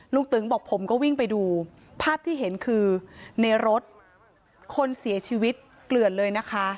ตึงบอกผมก็วิ่งไปดูภาพที่เห็นคือในรถคนเสียชีวิตเกลือนเลยนะคะ